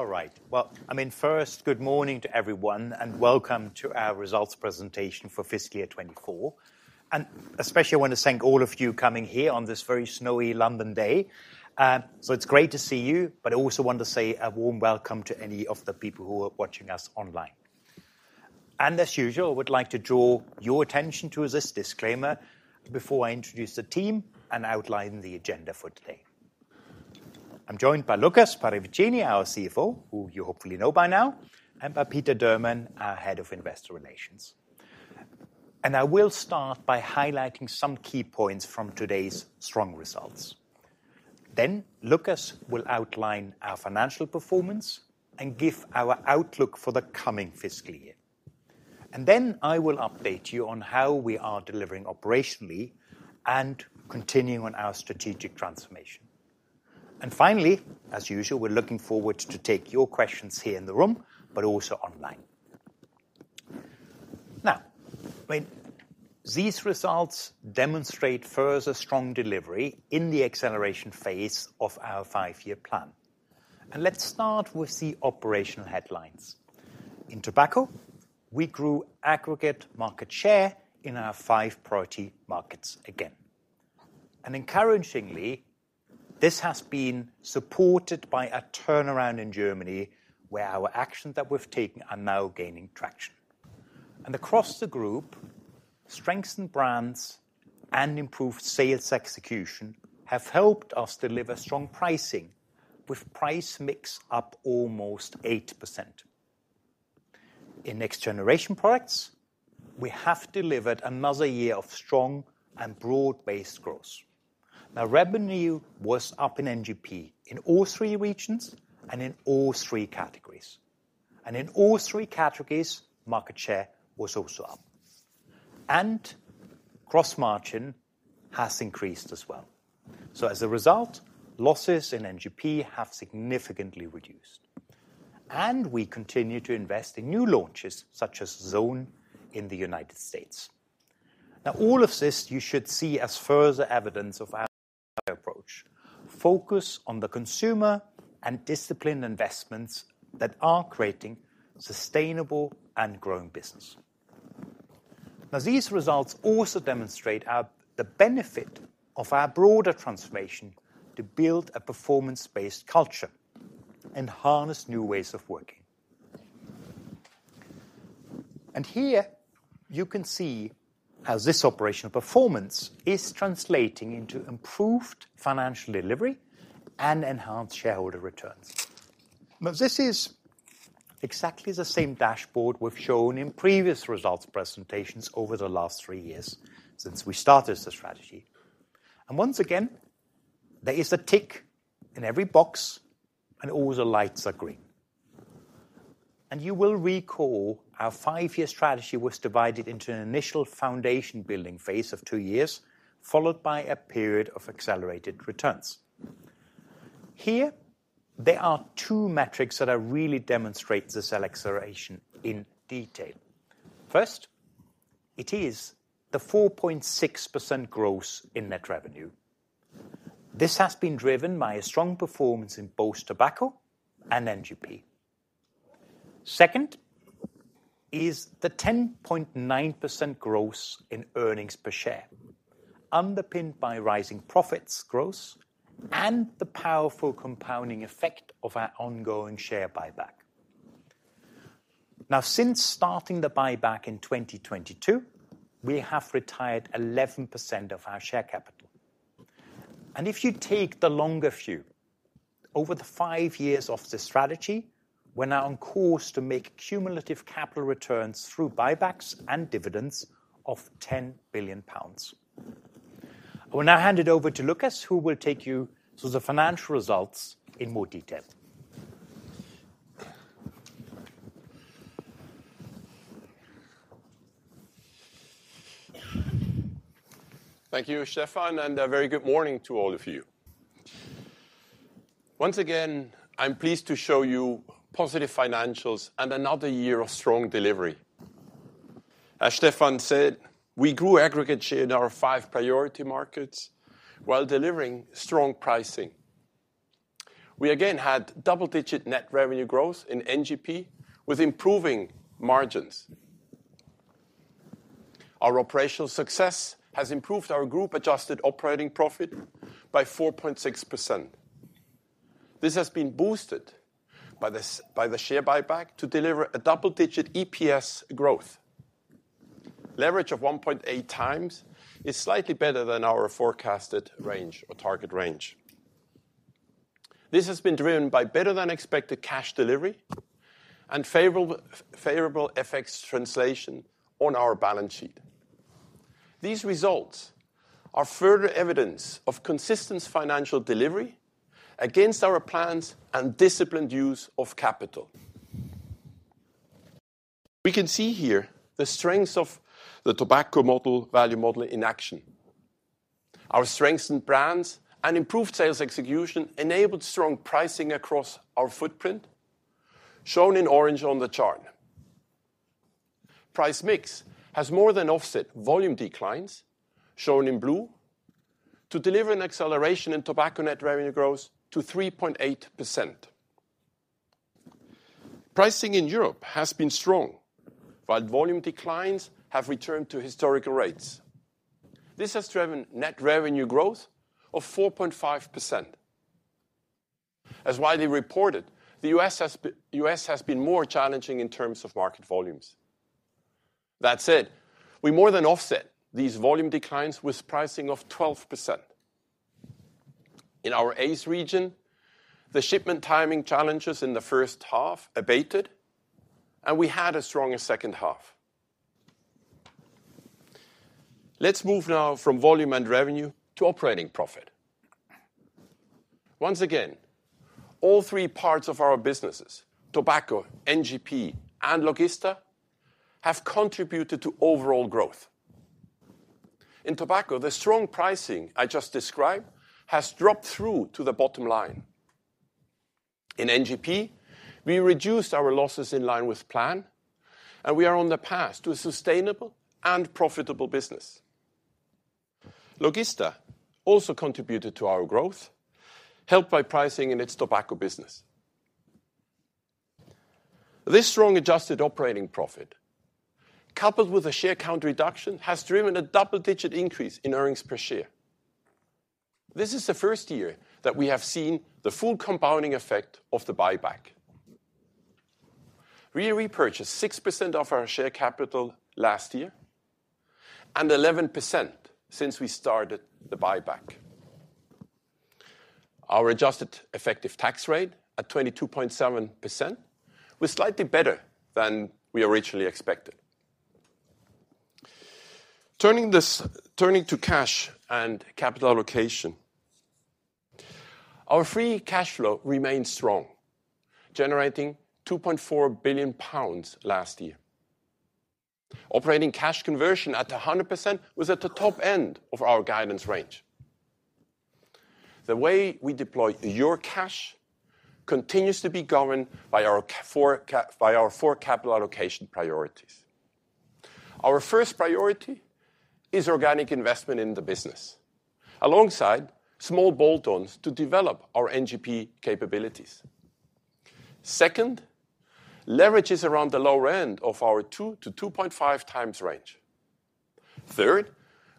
All right. Well, I mean, first, good morning to everyone and welcome to our results presentation for fiscal year 2024, and especially, I want to thank all of you coming here on this very snowy London day, so it's great to see you, but I also want to say a warm welcome to any of the people who are watching us online, and as usual, I would like to draw your attention to this disclaimer before I introduce the team and outline the agenda for today. I'm joined by Lukas Paravicini, our CFO, who you hopefully know by now, and by Peter Durman, our Head of Investor Relations, and I will start by highlighting some key points from today's strong results, then Lukas will outline our financial performance and give our outlook for the coming fiscal year. And then I will update you on how we are delivering operationally and continuing on our strategic transformation. And finally, as usual, we're looking forward to take your questions here in the room, but also online. Now, I mean, these results demonstrate further strong delivery in the acceleration phase of our five-year plan. And let's start with the operational headlines. In tobacco, we grew aggregate market share in our five priority markets again. And encouragingly, this has been supported by a turnaround in Germany where our actions that we've taken are now gaining traction. And across the group, strengthened brands and improved sales execution have helped us deliver strong pricing with price mix up almost 8%. In next-generation products, we have delivered another year of strong and broad-based growth. Now, revenue was up in NGP in all three regions and in all three categories. And in all three categories, market share was also up. And gross-margin has increased as well. So as a result, losses in NGP have significantly reduced. And we continue to invest in new launches such as Zone in the United States. Now, all of this you should see as further evidence of our approach, focus on the consumer and disciplined investments that are creating sustainable and growing business. Now, these results also demonstrate the benefit of our broader transformation to build a performance-based culture and harness new ways of working. And here you can see how this operational performance is translating into improved financial delivery and enhanced shareholder returns. Now, this is exactly the same dashboard we've shown in previous results presentations over the last three years since we started the strategy. And once again, there is a tick in every box and all the lights are green. You will recall our five-year strategy was divided into an initial foundation building phase of two years followed by a period of accelerated returns. Here, there are two metrics that really demonstrate this acceleration in detail. First, it is the 4.6% growth in net revenue. This has been driven by a strong performance in both tobacco and NGP. Second is the 10.9% growth in earnings per share, underpinned by rising profits growth and the powerful compounding effect of our ongoing share buyback. Now, since starting the buyback in 2022, we have retired 11% of our share capital. If you take the longer view, over the five years of the strategy, we're now on course to make cumulative capital returns through buybacks and dividends of 10 billion pounds. I will now hand it over to Lukas, who will take you through the financial results in more detail. Thank you, Stefan, and a very good morning to all of you. Once again, I'm pleased to show you positive financials and another year of strong delivery. As Stefan said, we grew aggregate share in our five priority markets while delivering strong pricing. We again had double-digit net revenue growth in NGP with improving margins. Our operational success has improved our group-adjusted operating profit by 4.6%. This has been boosted by the share buyback to deliver a double-digit EPS growth. Leverage of 1.8x is slightly better than our forecasted range or target range. This has been driven by better-than-expected cash delivery and favorable effects translation on our balance sheet. These results are further evidence of consistent financial delivery against our plans and disciplined use of capital. We can see here the strengths of the tobacco value model in action. Our strengthened brands and improved sales execution enabled strong pricing across our footprint, shown in orange on the chart. Price mix has more than offset volume declines, shown in blue, to deliver an acceleration in tobacco net revenue growth to 3.8%. Pricing in Europe has been strong, while volume declines have returned to historical rates. This has driven net revenue growth of 4.5%. As widely reported, the U.S. has been more challenging in terms of market volumes. That said, we more than offset these volume declines with pricing of 12%. In our AAACE region, the shipment timing challenges in the first half abated, and we had a stronger second half. Let's move now from volume and revenue to operating profit. Once again, all three parts of our businesses, tobacco, NGP, and logistics, have contributed to overall growth. In tobacco, the strong pricing I just described has dropped through to the bottom line. In NGP, we reduced our losses in line with plan, and we are on the path to a sustainable and profitable business. Logistics also contributed to our growth, helped by pricing in its tobacco business. This strong adjusted operating profit, coupled with the share count reduction, has driven a double-digit increase in earnings per share. This is the first year that we have seen the full compounding effect of the buyback. We repurchased 6% of our share capital last year and 11% since we started the buyback. Our adjusted effective tax rate at 22.7% was slightly better than we originally expected. Turning to cash and capital allocation, our free cash flow remained strong, generating 2.4 billion pounds last year. Operating cash conversion at 100% was at the top end of our guidance range. The way we deploy your cash continues to be governed by our four capital allocation priorities. Our first priority is organic investment in the business, alongside small bolt-ons to develop our NGP capabilities. Second, leverage is around the lower end of our 2x-2.5x range. Third,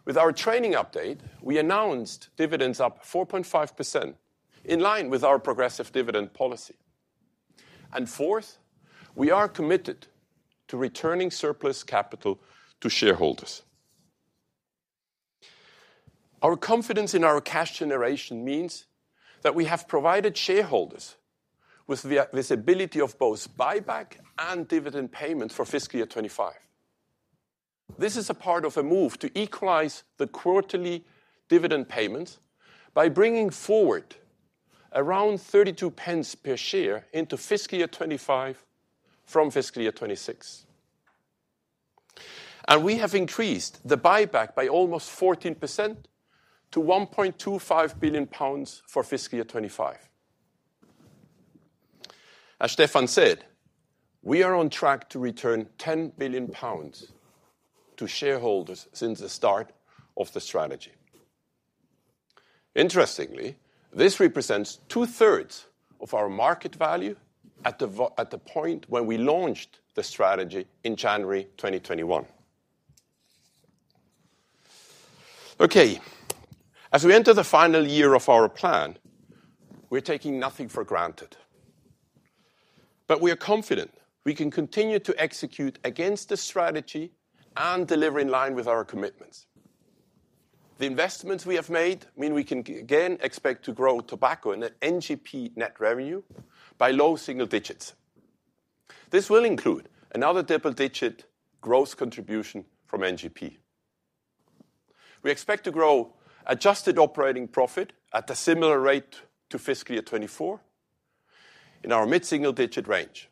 with our trading update, we announced dividends up 4.5% in line with our progressive dividend policy. And fourth, we are committed to returning surplus capital to shareholders. Our confidence in our cash generation means that we have provided shareholders with the visibility of both buyback and dividend payments for fiscal year 2025. This is a part of a move to equalize the quarterly dividend payments by bringing forward around 0.32 per share into fiscal year 2025 from fiscal year 2026. And we have increased the buyback by almost 14% to 1.25 billion pounds for fiscal year 2025. As Stefan said, we are on track to return 10 billion pounds to shareholders since the start of the strategy. Interestingly, this represents 2/3 of our market value at the point when we launched the strategy in January 2021. Okay. As we enter the final year of our plan, we're taking nothing for granted. But we are confident we can continue to execute against the strategy and deliver in line with our commitments. The investments we have made mean we can again expect to grow tobacco and NGP net revenue by low single digits. This will include another double-digit growth contribution from NGP. We expect to grow adjusted operating profit at a similar rate to fiscal year 2024 in our mid-single-digit range.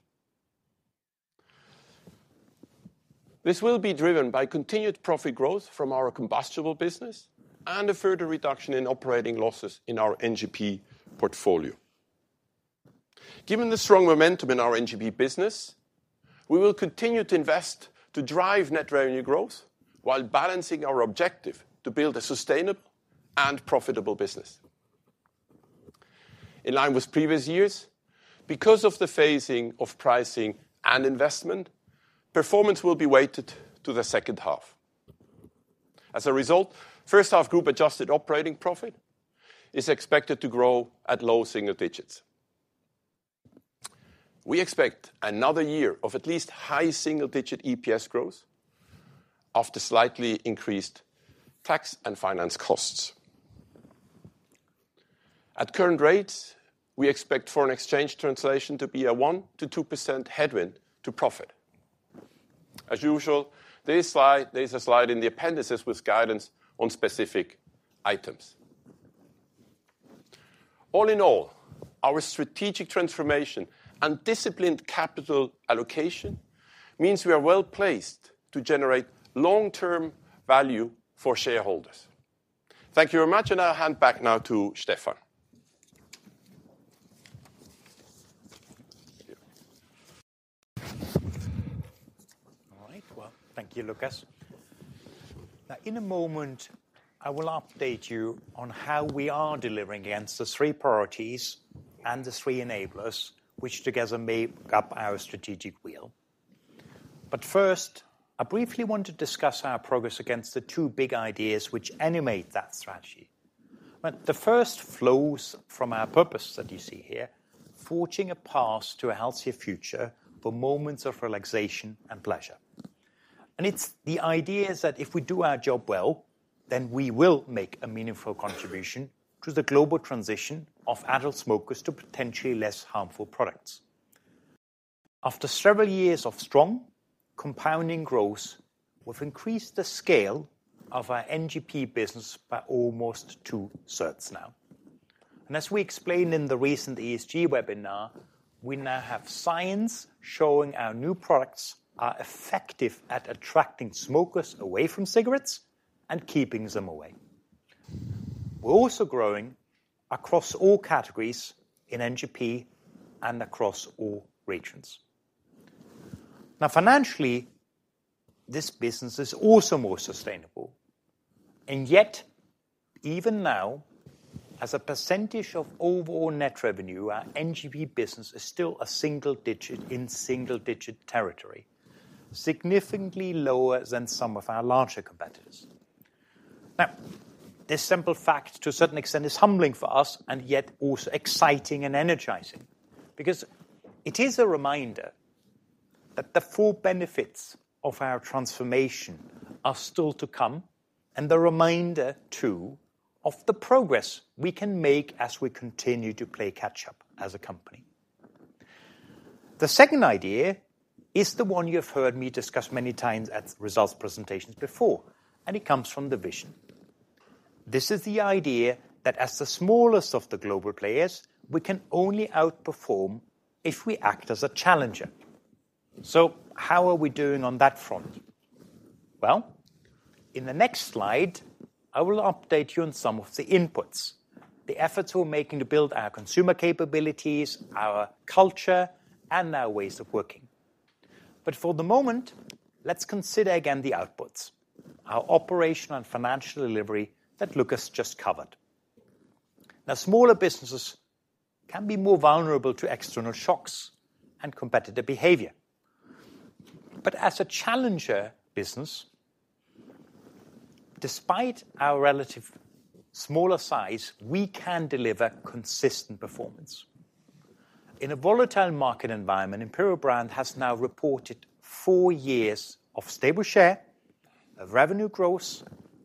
This will be driven by continued profit growth from our combustible business and a further reduction in operating losses in our NGP portfolio. Given the strong momentum in our NGP business, we will continue to invest to drive net revenue growth while balancing our objective to build a sustainable and profitable business. In line with previous years, because of the phasing of pricing and investment, performance will be weighted to the second half. As a result, first-half group-adjusted operating profit is expected to grow at low single digits. We expect another year of at least high single-digit EPS growth after slightly increased tax and finance costs. At current rates, we expect foreign exchange translation to be a 1%-2% headwind to profit. As usual, there is a slide in the appendices with guidance on specific items. All in all, our strategic transformation and disciplined capital allocation means we are well placed to generate long-term value for shareholders. Thank you very much, and I'll hand back now to Stefan. All right. Well, thank you, Lukas. Now, in a moment, I will update you on how we are delivering against the three priorities and the three enablers, which together make up our Strategic Wheel. But first, I briefly want to discuss our progress against the two big ideas which animate that strategy. The first flows from our purpose that you see here, forging a path to a healthier future for moments of relaxation and pleasure. And it's the idea that if we do our job well, then we will make a meaningful contribution to the global transition of adult smokers to potentially less harmful products. After several years of strong compounding growth, we've increased the scale of our NGP business by almost 2/3 now. And as we explained in the recent ESG webinar, we now have science showing our new products are effective at attracting smokers away from cigarettes and keeping them away. We're also growing across all categories in NGP and across all regions. Now, financially, this business is also more sustainable. And yet, even now, as a percentage of overall net revenue, our NGP business is still a single-digit in single-digit territory, significantly lower than some of our larger competitors. Now, this simple fact, to a certain extent, is humbling for us, and yet also exciting and energizing because it is a reminder that the full benefits of our transformation are still to come and the reminder, too, of the progress we can make as we continue to play catch-up as a company. The second idea is the one you've heard me discuss many times at results presentations before, and it comes from the vision. This is the idea that as the smallest of the global players, we can only outperform if we act as a challenger. So how are we doing on that front? Well, in the next slide, I will update you on some of the inputs, the efforts we're making to build our consumer capabilities, our culture, and our ways of working. But for the moment, let's consider again the outputs, our operational and financial delivery that Lukas just covered. Now, smaller businesses can be more vulnerable to external shocks and competitor behavior. But as a challenger business, despite our relative smaller size, we can deliver consistent performance. In a volatile market environment, Imperial Brands has now reported four years of stable share, of revenue growth,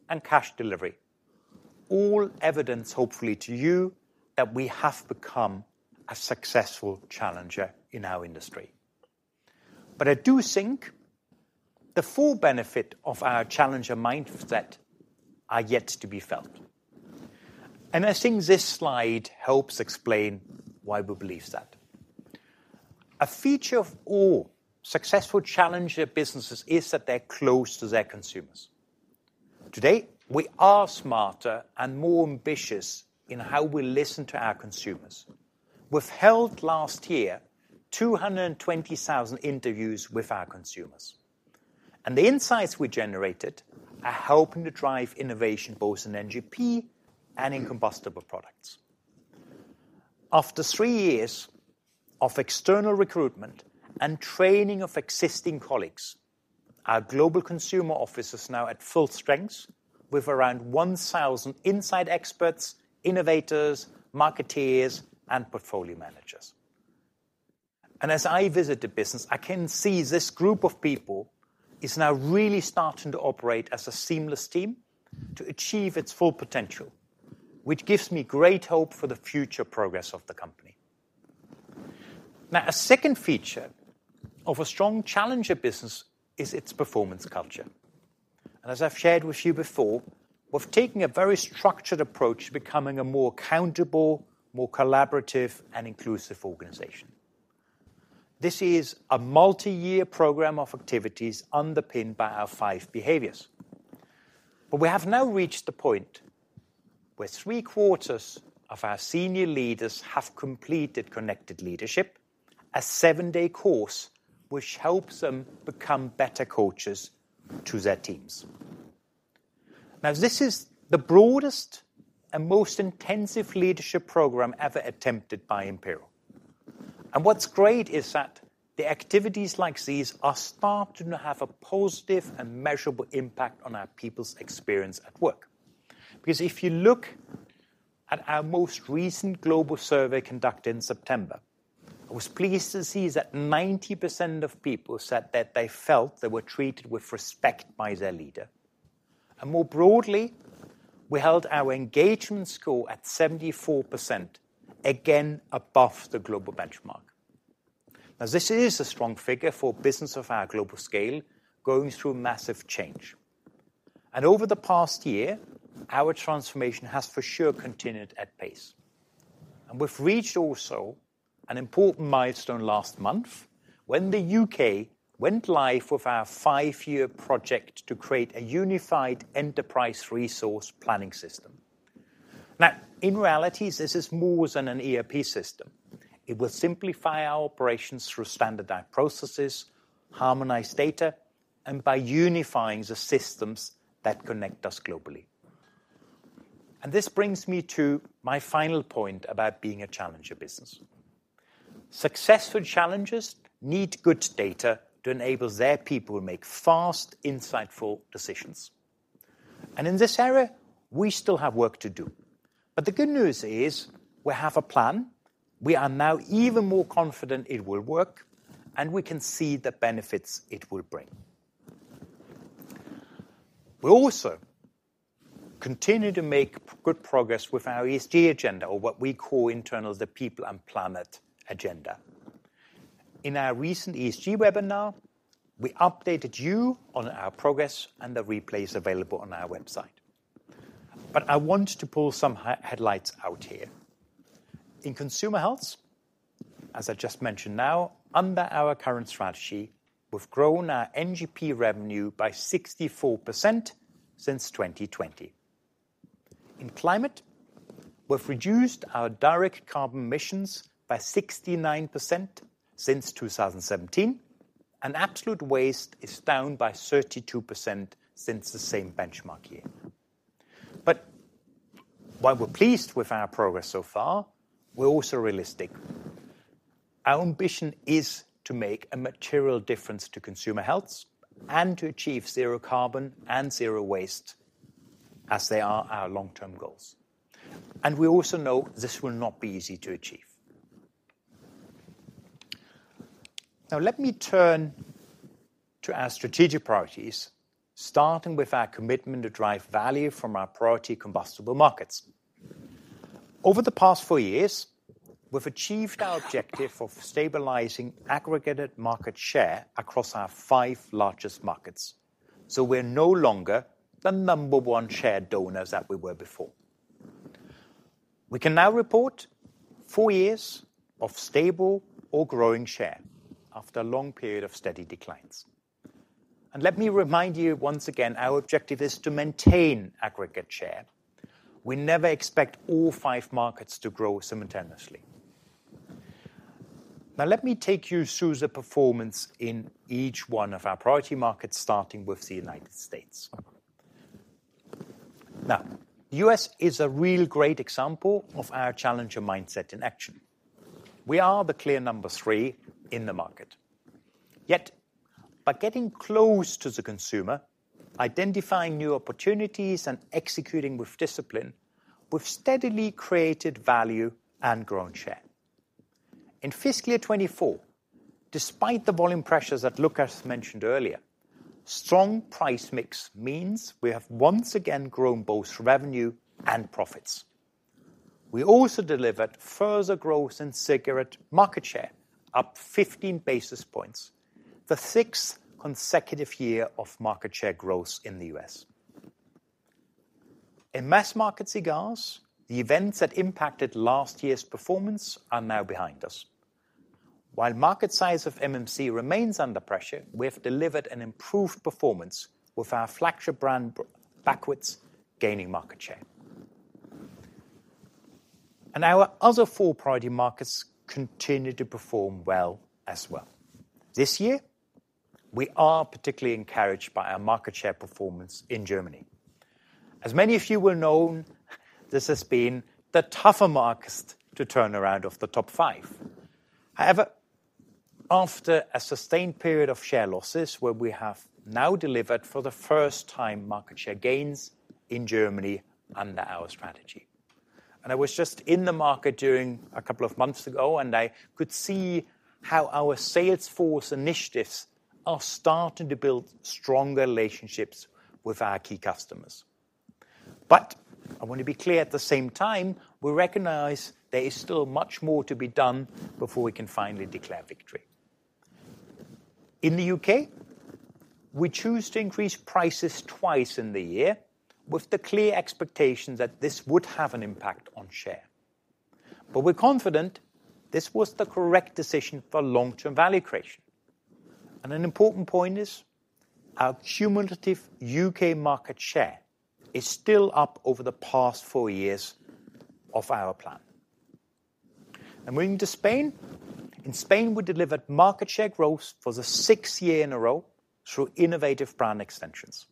and cash delivery, all evidence, hopefully to you, that we have become a successful challenger in our industry, but I do think the full benefit of our challenger mindset is yet to be felt, and I think this slide helps explain why we believe that. A feature of all successful challenger businesses is that they're close to their consumers. Today, we are smarter and more ambitious in how we listen to our consumers. We've held last year 220,000 interviews with our consumers, and the insights we generated are helping to drive innovation both in NGP and in combustible products. After three years of external recruitment and training of existing colleagues, our global consumer office is now at full strength with around 1,000 in-house experts, innovators, marketers, and portfolio managers. As I visit the business, I can see this group of people is now really starting to operate as a seamless team to achieve its full potential, which gives me great hope for the future progress of the company. Now, a second feature of a strong challenger business is its performance culture. And as I've shared with you before, we're taking a very structured approach to becoming a more accountable, more collaborative, and inclusive organization. This is a multi-year program of activities underpinned by our five behaviors. We have now reached the point where three-quarters of our senior leaders have completed Connected Leadership, a seven-day course which helps them become better coaches to their teams. Now, this is the broadest and most intensive leadership program ever attempted by Imperial. What's great is that the activities like these are starting to have a positive and measurable impact on our people's experience at work. Because if you look at our most recent global survey conducted in September, I was pleased to see that 90% of people said that they felt they were treated with respect by their leader. And more broadly, we held our engagement score at 74%, again above the global benchmark. Now, this is a strong figure for a business of our global scale going through massive change. And over the past year, our transformation has for sure continued at pace. And we've reached also an important milestone last month when the U.K. went live with our five-year project to create a unified enterprise resource planning system. Now, in reality, this is more than an ERP system. It will simplify our operations through standardized processes, harmonized data, and by unifying the systems that connect us globally. And this brings me to my final point about being a challenger business. Successful challengers need good data to enable their people to make fast, insightful decisions. And in this area, we still have work to do. But the good news is we have a plan. We are now even more confident it will work, and we can see the benefits it will bring. We also continue to make good progress with our ESG agenda, or what we call internally the People and Planet Agenda. In our recent ESG webinar, we updated you on our progress and the replays available on our website. But I want to pull some highlights out here. In consumer health, as I just mentioned now, under our current strategy, we've grown our NGP revenue by 64% since 2020. In climate, we've reduced our direct carbon emissions by 69% since 2017, and absolute waste is down by 32% since the same benchmark year. But while we're pleased with our progress so far, we're also realistic. Our ambition is to make a material difference to consumer health and to achieve zero carbon and zero waste as they are our long-term goals. And we also know this will not be easy to achieve. Now, let me turn to our strategic priorities, starting with our commitment to drive value from our priority combustible markets. Over the past four years, we've achieved our objective of stabilizing aggregated market share across our five largest markets. So we're no longer the number one share donors that we were before. We can now report four years of stable or growing share after a long period of steady declines. And let me remind you once again, our objective is to maintain aggregate share. We never expect all five markets to grow simultaneously. Now, let me take you through the performance in each one of our priority markets, starting with the United States. Now, the U.S. is a real great example of our challenger mindset in action. We are the clear number three in the market. Yet, by getting close to the consumer, identifying new opportunities, and executing with discipline, we've steadily created value and grown share. In fiscal year 2024, despite the volume pressures that Lukas mentioned earlier, strong price mix means we have once again grown both revenue and profits. We also delivered further growth in cigarette market share, up 15 basis points, the sixth consecutive year of market share growth in the U.S. In mass market cigars, the events that impacted last year's performance are now behind us. While market size of MMC remains under pressure, we have delivered an improved performance with our flagship brand, Backwoods, gaining market share. And our other four priority markets continue to perform well as well. This year, we are particularly encouraged by our market share performance in Germany. As many of you will know, this has been the tougher market to turn around of the top five. However, after a sustained period of share losses, where we have now delivered for the first time market share gains in Germany under our strategy. And I was just in the market during a couple of months ago, and I could see how our sales force initiatives are starting to build stronger relationships with our key customers. But I want to be clear at the same time, we recognize there is still much more to be done before we can finally declare victory. In the U.K., we chose to increase prices twice in the year with the clear expectation that this would have an impact on share. But we're confident this was the correct decision for long-term value creation. And an important point is our cumulative U.K. market share is still up over the past four years of our plan. And moving to Spain, in Spain, we delivered market share growth for the sixth year in a row through innovative brand extensions.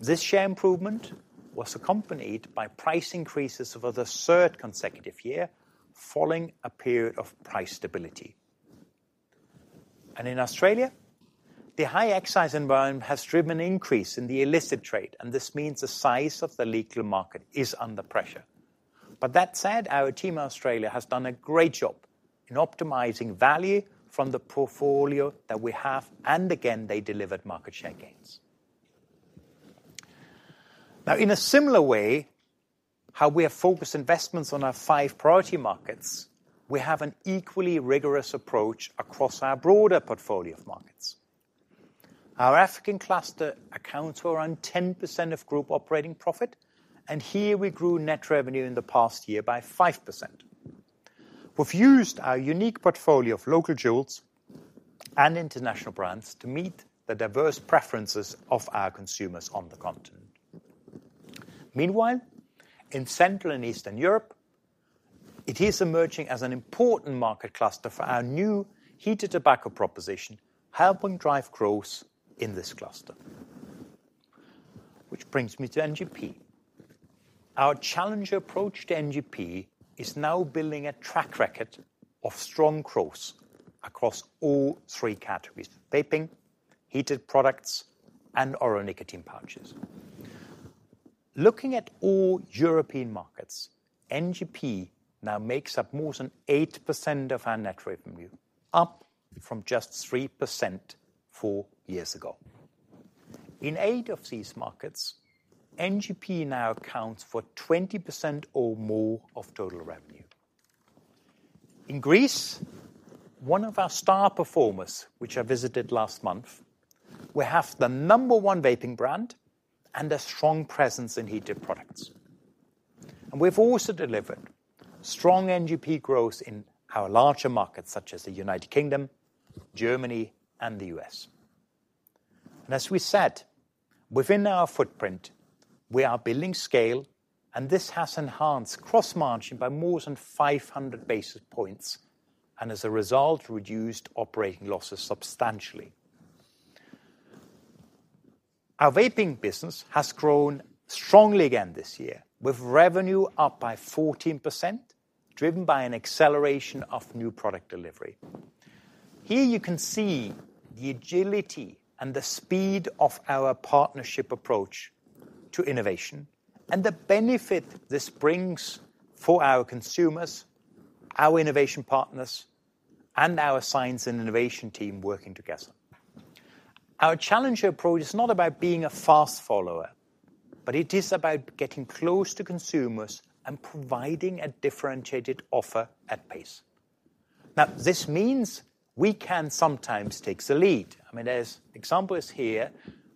This share improvement was accompanied by price increases for the third consecutive year, following a period of price stability. In Australia, the high excise environment has driven an increase in the illicit trade, and this means the size of the legal market is under pressure. That said, our team in Australia has done a great job in optimizing value from the portfolio that we have, and again, they delivered market share gains. Now, in a similar way, how we have focused investments on our five priority markets, we have an equally rigorous approach across our broader portfolio of markets. Our African cluster accounts for around 10% of group operating profit, and here we grew net revenue in the past year by 5%. We've used our unique portfolio of local jewels and international brands to meet the diverse preferences of our consumers on the continent. Meanwhile, in Central and Eastern Europe, it is emerging as an important market cluster for our new heated tobacco proposition, helping drive growth in this cluster. Which brings me to NGP. Our challenger approach to NGP is now building a track record of strong growth across all three categories: vaping, heated products, and our nicotine pouches. Looking at all European markets, NGP now makes up more than 8% of our net revenue, up from just 3% four years ago. In eight of these markets, NGP now accounts for 20% or more of total revenue. In Greece, one of our star performers, which I visited last month, we have the number one vaping brand and a strong presence in heated products, and we've also delivered strong NGP growth in our larger markets such as the United Kingdom, Germany, and the U.S. And as we said, within our footprint, we are building scale, and this has enhanced gross-margin by more than 500 basis points and, as a result, reduced operating losses substantially. Our vaping business has grown strongly again this year, with revenue up by 14%, driven by an acceleration of new product delivery. Here you can see the agility and the speed of our partnership approach to innovation and the benefit this brings for our consumers, our innovation partners, and our science and innovation team working together. Our challenger approach is not about being a fast follower, but it is about getting close to consumers and providing a differentiated offer at pace. Now, this means we can sometimes take the lead. I mean, as the example is here,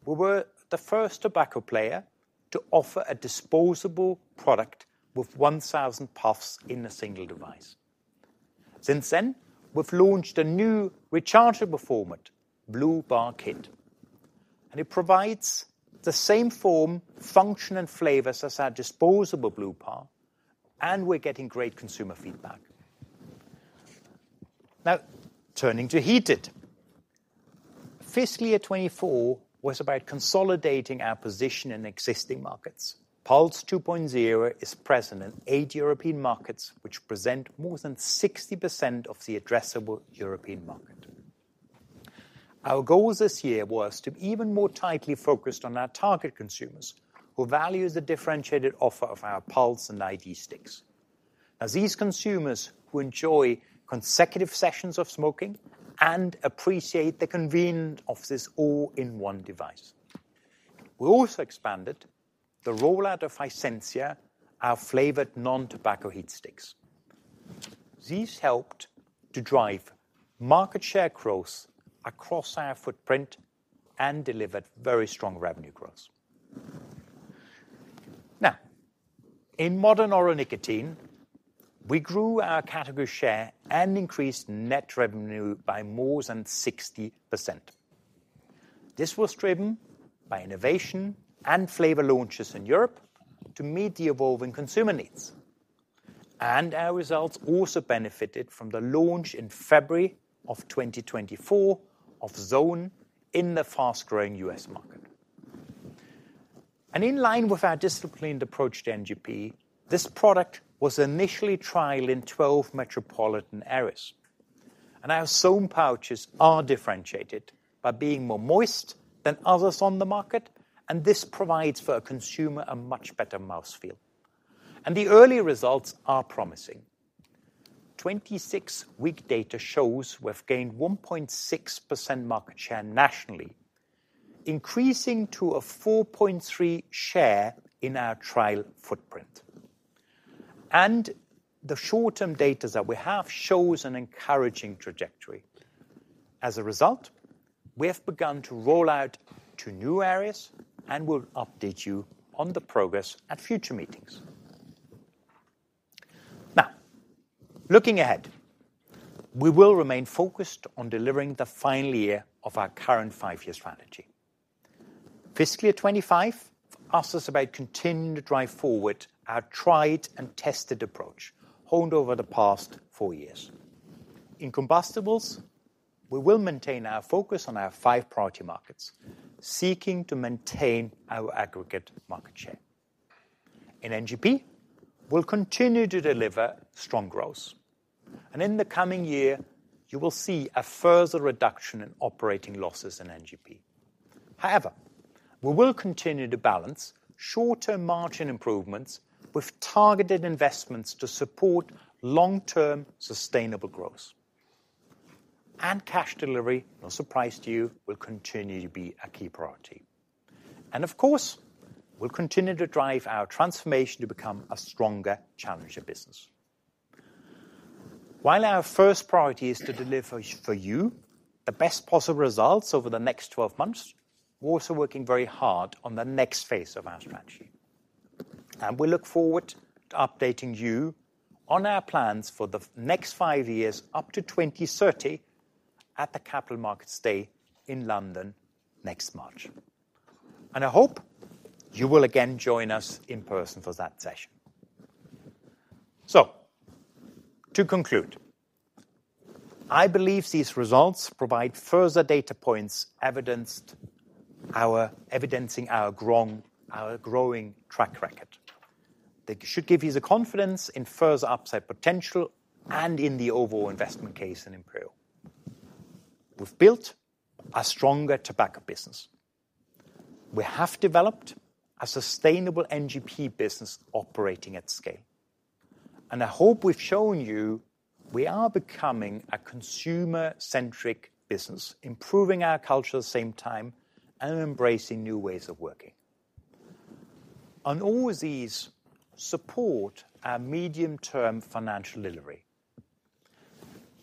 we were the first tobacco player to offer a disposable product with 1,000 puffs in a single device. Since then, we've launched a new rechargeable format, blu Bar kit, and it provides the same form, function, and flavors as our disposable blu Bar, and we're getting great consumer feedback. Now, turning to heated. Fiscal year 2024 was about consolidating our position in existing markets. Pulze 2.0 is present in eight European markets, which present more than 60% of the addressable European market. Our goals this year were to be even more tightly focused on our target consumers who value the differentiated offer of our Pulze and iD sticks. Now, these consumers who enjoy consecutive sessions of smoking and appreciate the convenience of this all-in-one device. We also expanded the rollout of iSenzia, our flavored non-tobacco heat sticks. These helped to drive market share growth across our footprint and delivered very strong revenue growth. Now, in modern oral nicotine, we grew our category share and increased net revenue by more than 60%. This was driven by innovation and flavor launches in Europe to meet the evolving consumer needs. And our results also benefited from the launch in February of 2024 of Zone in the fast-growing U.S. market. And in line with our disciplined approach to NGP, this product was initially trialed in 12 metropolitan areas. And our Zone pouches are differentiated by being more moist than others on the market, and this provides for a consumer a much better mouthfeel. And the early results are promising. 26-week data shows we've gained 1.6% market share nationally, increasing to a 4.3% share in our trial footprint. And the short-term data that we have shows an encouraging trajectory. As a result, we have begun to roll out to new areas, and we'll update you on the progress at future meetings. Now, looking ahead, we will remain focused on delivering the final year of our current five-year strategy. Fiscal year 2025 tasks us with continuing to drive forward our tried-and-tested approach honed over the past four years. In combustibles, we will maintain our focus on our five priority markets, seeking to maintain our aggregate market share. In NGP, we'll continue to deliver strong growth. And in the coming year, you will see a further reduction in operating losses in NGP. However, we will continue to balance short-term margin improvements with targeted investments to support long-term sustainable growth. And cash delivery, no surprise to you, will continue to be a key priority. And of course, we'll continue to drive our transformation to become a stronger challenger business. While our first priority is to deliver for you the best possible results over the next 12 months, we're also working very hard on the next phase of our strategy. And we look forward to updating you on our plans for the next five years up to 2030 at the Capital Markets Day in London next March. And I hope you will again join us in person for that session. So, to conclude, I believe these results provide further data points evidencing our growing track record. They should give you the confidence in further upside potential and in the overall investment case in Imperial. We've built a stronger tobacco business. We have developed a sustainable NGP business operating at scale. And I hope we've shown you we are becoming a consumer-centric business, improving our culture at the same time and embracing new ways of working. All of these support our medium-term financial delivery.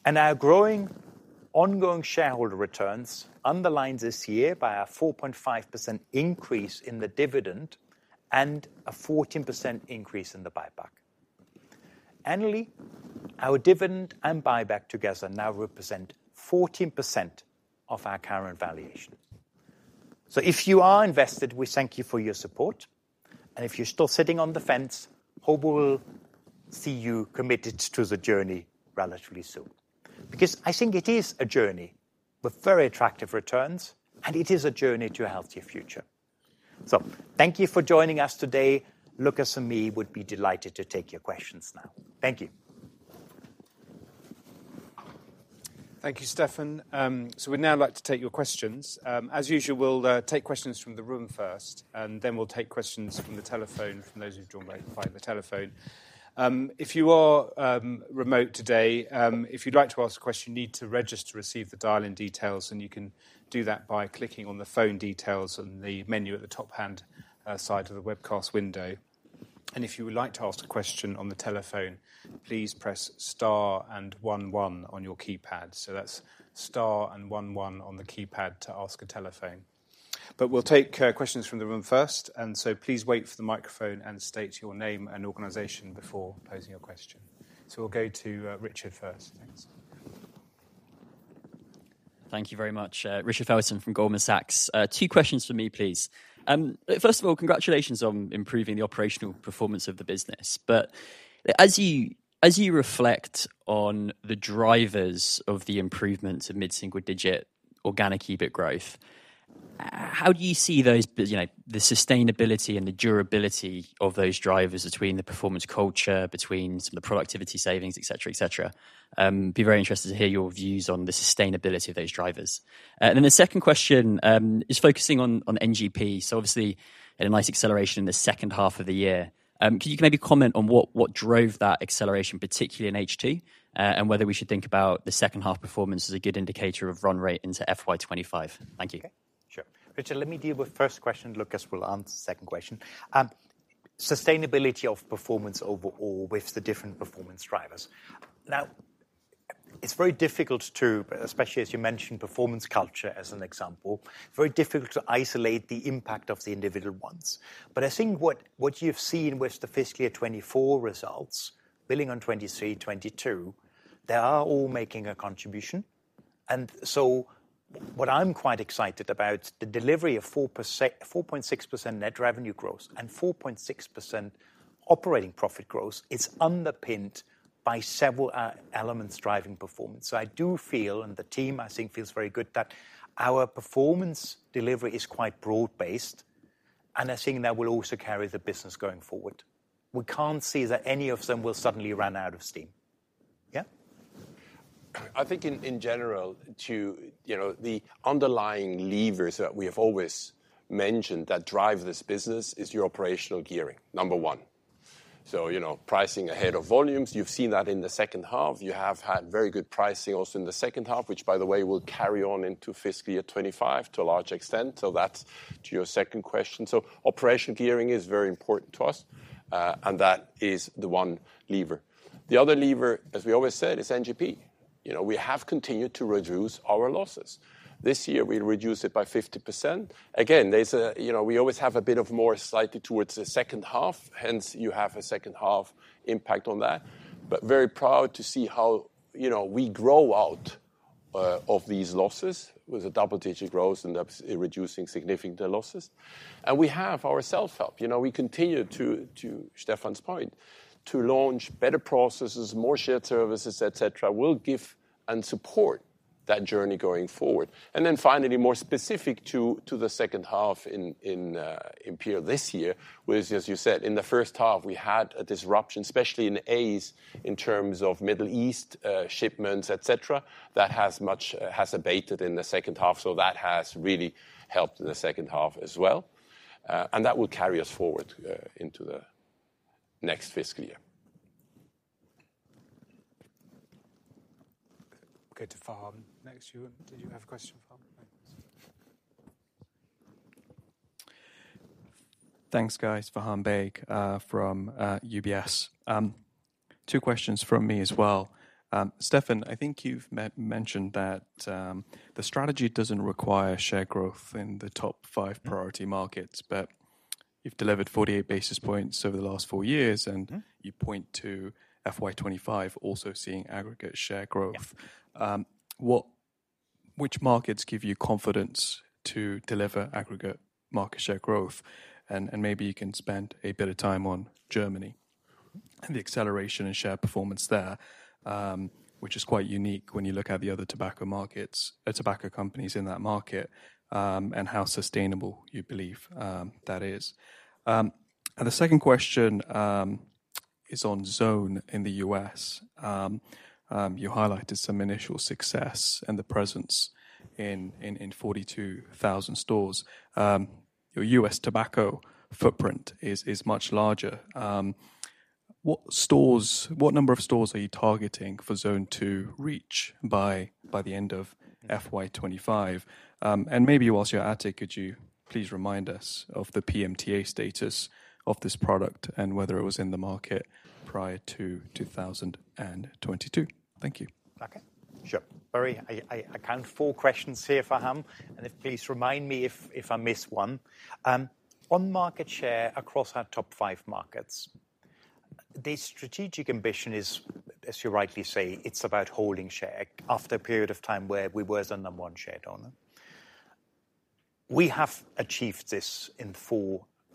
Our growing ongoing shareholder returns underlined this year by a 4.5% increase in the dividend and a 14% increase in the buyback. Annually, our dividend and buyback together now represent 14% of our current valuation. If you are invested, we thank you for your support. If you're still sitting on the fence, hope we'll see you committed to the journey relatively soon. Because I think it is a journey with very attractive returns, and it is a journey to a healthier future. Thank you for joining us today. Lukas and me would be delighted to take your questions now. Thank you. Thank you, Stefan. We'd now like to take your questions. As usual, we'll take questions from the room first, and then we'll take questions from the telephone from those who've joined by the telephone. If you are remote today, if you'd like to ask a question, you need to register to receive the dial-in details, and you can do that by clicking on the phone details on the menu at the top right-hand side of the webcast window, and if you would like to ask a question on the telephone, please press star and one one on your keypad. So that's star and one one on the keypad to ask a question on the telephone, but we'll take questions from the room first, and so please wait for the microphone and state your name and organization before posing your question, so we'll go to Richard first. Thanks. Thank you very much, Richard Felton from Goldman Sachs. Two questions for me, please. First of all, congratulations on improving the operational performance of the business. But as you reflect on the drivers of the improvement of mid-single digit organic EBIT growth, how do you see the sustainability and the durability of those drivers between the performance culture, between some of the productivity savings, et cetera, et cetera? I'd be very interested to hear your views on the sustainability of those drivers. And then the second question is focusing on NGP. So obviously, in a nice acceleration in the second half of the year, can you maybe comment on what drove that acceleration, particularly in H2, and whether we should think about the second half performance as a good indicator of run rate into FY 2025? Thank you. Sure. Richard, let me deal with first question. Lukas will answer the second question. Sustainability of performance overall with the different performance drivers. Now, it's very difficult to, especially as you mentioned performance culture as an example, very difficult to isolate the impact of the individual ones. But I think what you've seen with the fiscal year 2024 results, building on 2023, 2022, they are all making a contribution. And so what I'm quite excited about, the delivery of 4.6% net revenue growth and 4.6% operating profit growth, it's underpinned by several elements driving performance. So I do feel, and the team, I think, feels very good that our performance delivery is quite broad-based, and I think that will also carry the business going forward. We can't see that any of them will suddenly run out of steam. Yeah? I think in general, the underlying levers that we have always mentioned that drive this business is your operational gearing, number one. So pricing ahead of volumes, you've seen that in the second half. You have had very good pricing also in the second half, which, by the way, will carry on into fiscal year 2025 to a large extent, so that's to your second question. Operational gearing is very important to us, and that is the one lever. The other lever, as we always said, is NGP. We have continued to reduce our losses. This year, we reduced it by 50%. Again, we always have a bit of more slightly towards the second half, hence you have a second half impact on that, but very proud to see how we grow out of these losses with a double-digit growth and reducing significant losses, and we have ourselves help. We continue to, to Stefan's point, to launch better processes, more shared services, et cetera, will give and support that journey going forward. Then finally, more specific to the second half in Imperial this year, which, as you said, in the first half, we had a disruption, especially in AAACE's in terms of Middle East shipments, et cetera, that has abated in the second half. So that has really helped in the second half as well. And that will carry us forward into the next fiscal year. Okay, to Faham next. Did you have a question, Faham? Thanks, guys. Faham Baig from UBS. Two questions from me as well. Stefan, I think you've mentioned that the strategy doesn't require share growth in the top five priority markets, but you've delivered 48 basis points over the last four years, and you point to FY 2025 also seeing aggregate share growth. Which markets give you confidence to deliver aggregate market share growth? And maybe you can spend a bit of time on Germany and the acceleration in share performance there, which is quite unique when you look at the other tobacco companies in that market and how sustainable you believe that is. And the second question is on Zone in the U.S. You highlighted some initial success and the presence in 42,000 stores. Your U.S. tobacco footprint is much larger. What number of stores are you targeting for Zone to reach by the end of FY 2025? And maybe whilst you're at it, could you please remind us of the PMTA status of this product and whether it was in the market prior to 2022? Thank you. Okay. Sure. Very, I count four questions here, Faham. And please remind me if I miss one. On market share across our top five markets, the strategic ambition is, as you rightly say, it's about holding share. After a period of time where we were the number one share owner, we have achieved this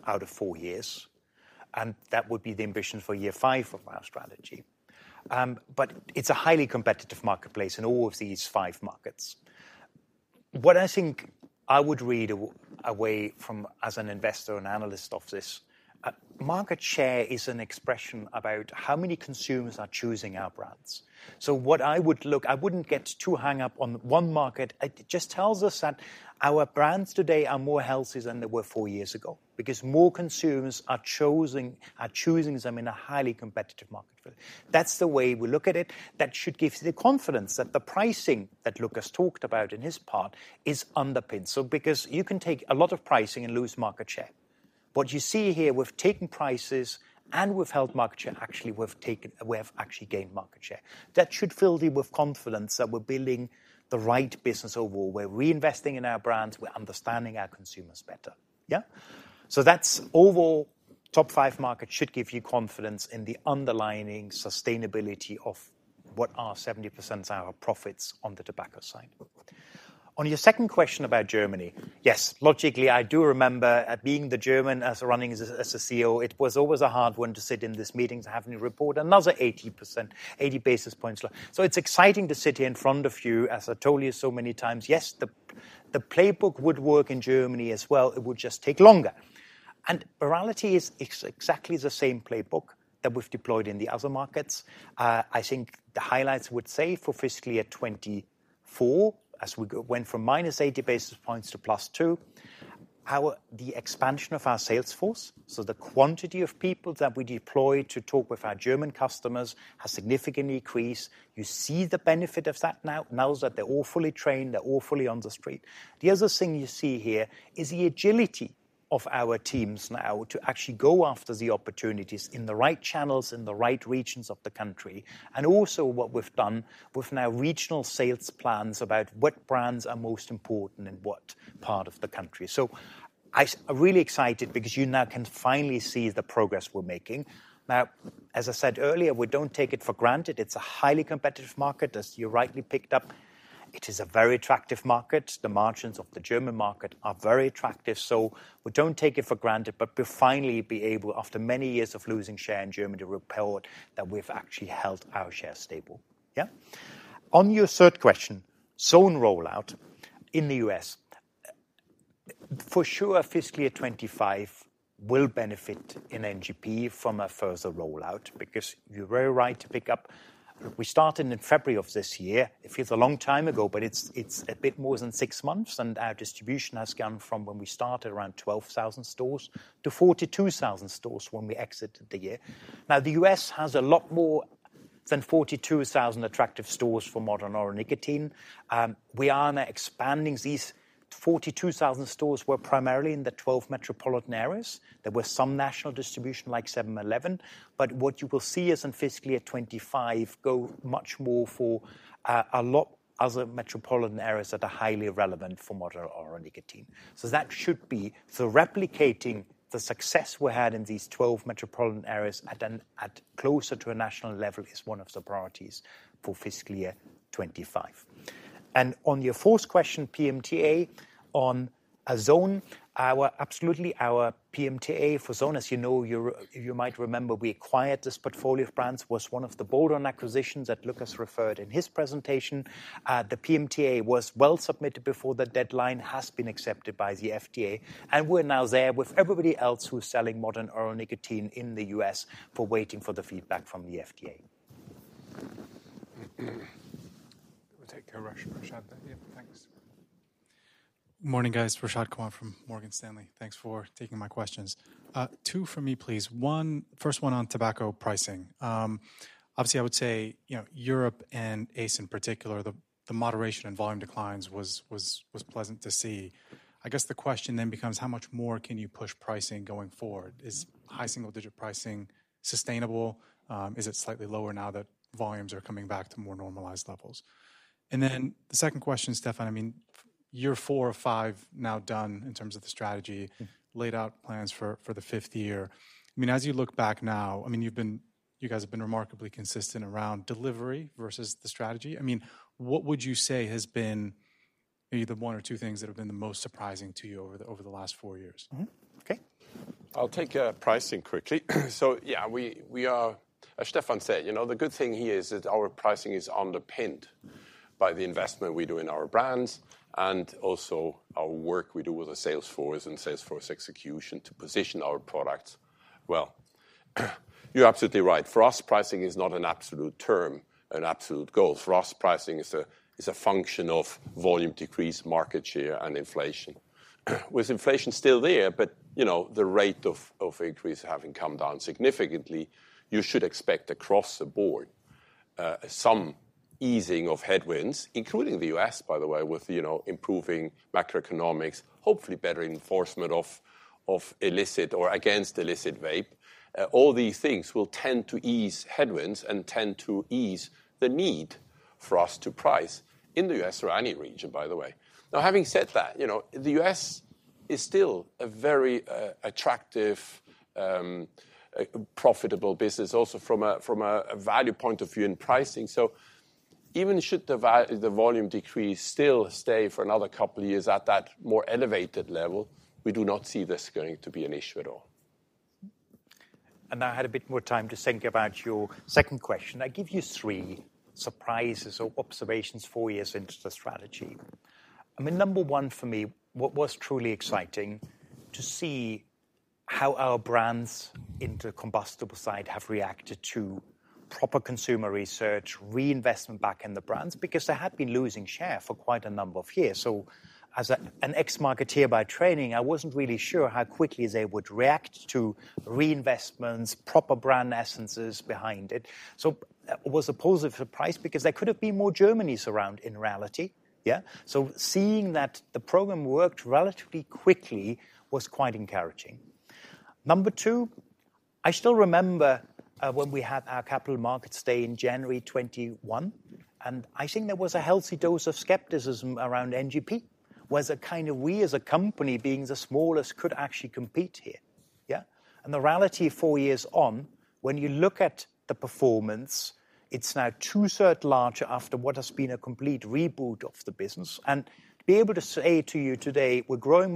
over four years, and that would be the ambition for year five of our strategy. But it's a highly competitive marketplace in all of these five markets. What I think I would take away from as an investor and analyst of this market share is an expression about how many consumers are choosing our brands. So what I would look at, I wouldn't get too hung up on one market. It just tells us that our brands today are more healthy than they were four years ago because more consumers are choosing them in a highly competitive market. That's the way we look at it. That should give you the confidence that the pricing that Lukas talked about in his part is underpinned. So because you can take a lot of pricing and lose market share. What you see here, we've taken prices and we've held market share. Actually, we've actually gained market share. That should fill you with confidence that we're building the right business overall. We're reinvesting in our brands. We're understanding our consumers better. Yeah? So that's overall top five markets should give you confidence in the underlying sustainability of what are 70% of our profits on the tobacco side. On your second question about Germany, yes, logically, I do remember being the German as running as a CEO. It was always a hard one to sit in these meetings and have me report another 80%, 80 basis points. So it's exciting to sit here in front of you as I told you so many times. Yes, the playbook would work in Germany as well. It would just take longer. And reality is exactly the same playbook that we've deployed in the other markets. I think the highlights would say for fiscal year 2024, as we went from -80 basis points to +2, the expansion of our sales force, so the quantity of people that we deploy to talk with our German customers has significantly increased. You see the benefit of that now, now that they're all fully trained, they're all fully on the street. The other thing you see here is the agility of our teams now to actually go after the opportunities in the right channels, in the right regions of the country. Also what we've done with now regional sales plans about what brands are most important in what part of the country. I'm really excited because you now can finally see the progress we're making. Now, as I said earlier, we don't take it for granted. It's a highly competitive market, as you rightly picked up. It is a very attractive market. The margins of the German market are very attractive. We don't take it for granted, but we'll finally be able, after many years of losing share in Germany, to report that we've actually held our share stable. Yeah? On your third question, Zone rollout in the U.S., for sure, fiscal year 2025 will benefit in NGP from a further rollout because you're very right to pick up. We started in February of this year. It feels a long time ago, but it's a bit more than six months, and our distribution has gone from when we started around 12,000 stores to 42,000 stores when we exited the year. Now, the U.S. has a lot more than 42,000 attractive stores for modern oral nicotine. We are now expanding. These 42,000 stores were primarily in the 12 metropolitan areas. There were some national distribution like 7-Eleven. But what you will see is in fiscal year 2025, go much more for a lot of other metropolitan areas that are highly relevant for modern oral nicotine. So that should be the replicating the success we had in these 12 metropolitan areas at closer to a national level is one of the priorities for fiscal year 2025. And on your fourth question, PMTA on Zone, absolutely our PMTA for Zone, as you know, you might remember we acquired this portfolio of brands was one of the bolder acquisitions that Lukas referred to in his presentation. The PMTA was well submitted before the deadline, has been accepted by the FDA. And we're now there with everybody else who's selling modern oral nicotine in the U.S. for waiting for the feedback from the FDA. We'll take a question from Rashad. Thanks. Morning, guys. Rashad Kawan from Morgan Stanley. Thanks for taking my questions. Two for me, please. One, first one on tobacco pricing. Obviously, I would say Europe and ACE in particular, the moderation in volume declines was pleasant to see. I guess the question then becomes, how much more can you push pricing going forward? Is high single-digit pricing sustainable? Is it slightly lower now that volumes are coming back to more normalized levels? And then the second question, Stefan, I mean, year four or five now done in terms of the strategy, laid out plans for the fifth year. I mean, as you look back now, I mean, you guys have been remarkably consistent around delivery versus the strategy. I mean, what would you say has been either one or two things that have been the most surprising to you over the last four years? Okay. I'll take pricing quickly. So yeah, as Stefan said, the good thing here is that our pricing is underpinned by the investment we do in our brands and also our work we do with the sales force and sales force execution to position our products. Well, you're absolutely right. For us, pricing is not an absolute term, an absolute goal. For us, pricing is a function of volume decrease, market share, and inflation. With inflation still there, but the rate of increase having come down significantly, you should expect across the board some easing of headwinds, including the U.S., by the way, with improving macroeconomics, hopefully better enforcement of illicit or against illicit vape. All these things will tend to ease headwinds and tend to ease the need for us to price in the U.S. or any region, by the way. Now, having said that, the U.S. is still a very attractive, profitable business also from a value point of view in pricing. So even should the volume decrease still stay for another couple of years at that more elevated level, we do not see this going to be an issue at all. And now I had a bit more time to think about your second question. I give you three surprises or observations four years into the strategy. I mean, number one for me, what was truly exciting to see how our brands in the combustibles side have reacted to proper consumer research, reinvestment back in the brands because they had been losing share for quite a number of years. So as an ex-marketer by training, I wasn't really sure how quickly they would react to reinvestments, proper brand essences behind it. So it was a positive surprise because there could have been more headwinds around in reality. Yeah? So seeing that the program worked relatively quickly was quite encouraging. Number two, I still remember when we had our Capital Markets Day in January 2021, and I think there was a healthy dose of skepticism around NGP where we as a company being the smallest could actually compete here. Yeah? The reality four years on, when you look at the performance, it's now 2/3 larger after what has been a complete reboot of the business. To be able to say to you today, we're growing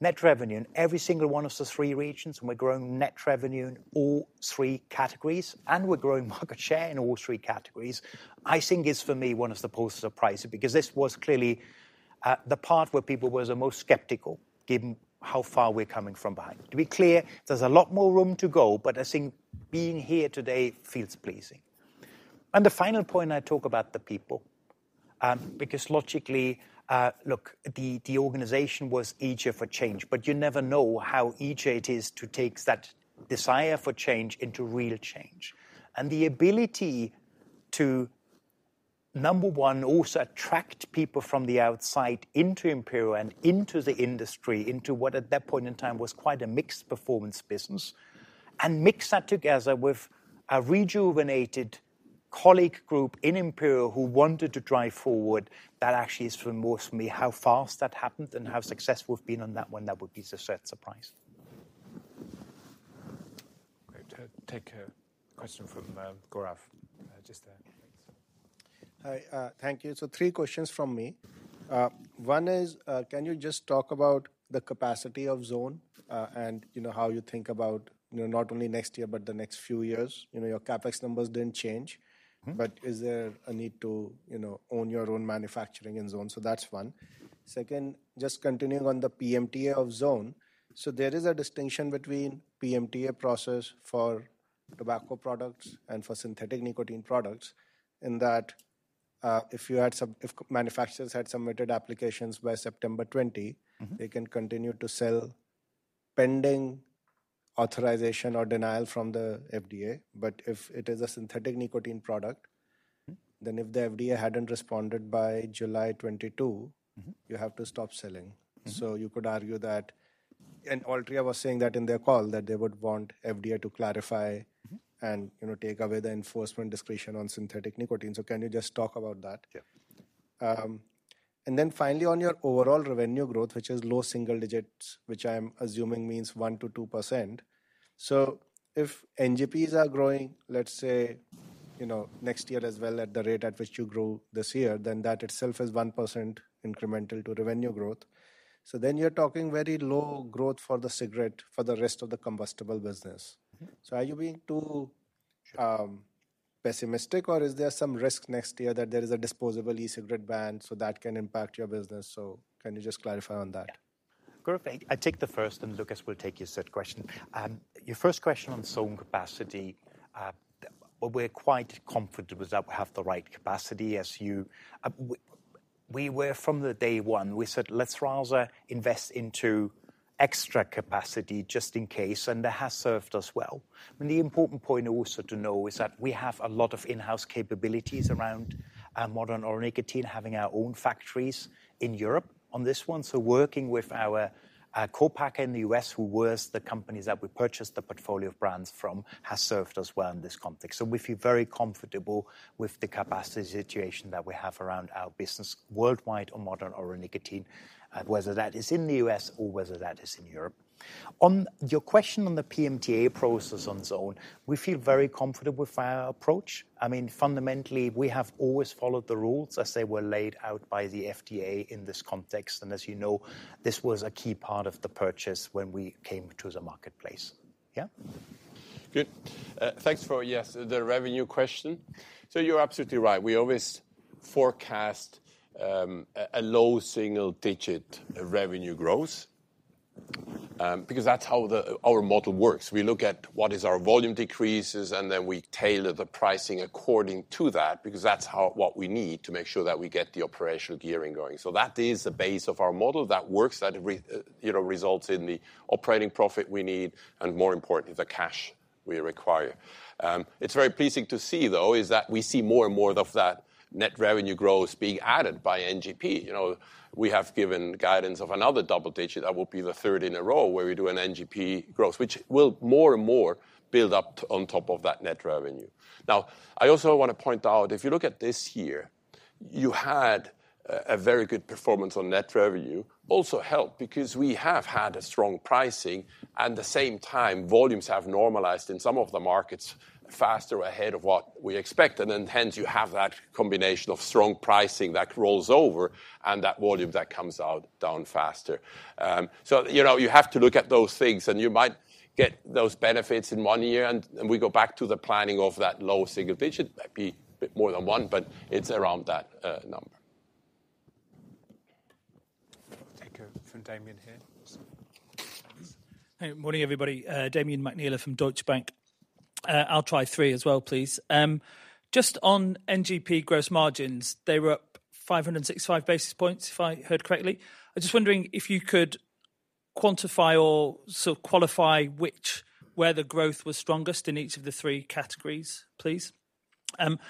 net revenue in every single one of the three regions, and we're growing net revenue in all three categories, and we're growing market share in all three categories, I think is for me one of the positive surprises because this was clearly the part where people were the most skeptical given how far we're coming from behind. To be clear, there's a lot more room to go, but I think being here today feels pleasing. The final point I talk about the people because logically, look, the organization was eager for change, but you never know how eager it is to take that desire for change into real change. And the ability to, number one, also attract people from the outside into Imperial and into the industry, into what at that point in time was quite a mixed performance business, and mix that together with a rejuvenated colleague group in Imperial who wanted to drive forward, that actually is for most of me how fast that happened and how successful we've been on that one, that would be a certain surprise. Take a question from Gaurav just there. Thank you. So three questions from me. One is, can you just talk about the capacity of Zone and how you think about not only next year, but the next few years? Your CapEx numbers didn't change, but is there a need to own your own manufacturing in Zone? So that's one. Second, just continuing on the PMTA of Zone, so there is a distinction between PMTA process for tobacco products and for synthetic nicotine products in that if manufacturers had submitted applications by September 20, they can continue to sell pending authorization or denial from the FDA. But if it is a synthetic nicotine product, then if the FDA hadn't responded by July 22, you have to stop selling. So you could argue that, and Altria was saying that in their call that they would want FDA to clarify and take away the enforcement discretion on synthetic nicotine. So can you just talk about that? Yeah. And then finally, on your overall revenue growth, which is low single digits, which I'm assuming means 1%-2%. So if NGPs are growing, let's say next year as well at the rate at which you grow this year, then that itself is 1% incremental to revenue growth. So then you're talking very low growth for the cigarette for the rest of the combustible business. So are you being too pessimistic, or is there some risk next year that there is a disposable e-cigarette ban so that can impact your business? So can you just clarify on that? Perfect. I'll take the first, and Lukas will take your third question. Your first question on Zone capacity, we're quite confident that we have the right capacity as you. We were from the day one, we said, let's rather invest into extra capacity just in case, and that has served us well. I mean, the important point also to know is that we have a lot of in-house capabilities around modern oral nicotine, having our own factories in Europe on this one. So working with our copack in the U.S., who was the company that we purchased the portfolio of brands from, has served us well in this context. So we feel very comfortable with the capacity situation that we have around our business worldwide on modern oral nicotine, whether that is in the U.S. or whether that is in Europe. On your question on the PMTA process on Zone, we feel very comfortable with our approach. I mean, fundamentally, we have always followed the rules as they were laid out by the FDA in this context. And as you know, this was a key part of the purchase when we came to the marketplace. Yeah? Good. Thanks for, yes, the revenue question. So you're absolutely right. We always forecast a low single-digit revenue growth because that's how our model works. We look at what is our volume decreases, and then we tailor the pricing according to that because that's what we need to make sure that we get the operational gearing going. So that is the base of our model that works, that results in the operating profit we need, and more importantly, the cash we require. It's very pleasing to see, though, is that we see more and more of that net revenue growth being added by NGP. We have given guidance of another double digit. That will be the third in a row where we do an NGP growth, which will more and more build up on top of that net revenue. Now, I also want to point out, if you look at this year, you had a very good performance on net revenue. Also helped because we have had a strong pricing, and at the same time, volumes have normalized in some of the markets faster ahead of what we expected. And hence, you have that combination of strong pricing that rolls over and that volume that comes out down faster. So you have to look at those things, and you might get those benefits in one year, and we go back to the planning of that low single digit. It might be a bit more than one, but it's around that number. Take it from Damian here. Morning, everybody. Damian McNeela from Deutsche Bank. I'll try three as well, please. Just on NGP gross margins, they were up 565 basis points, if I heard correctly. I'm just wondering if you could quantify or sort of qualify where the growth was strongest in each of the three categories, please. And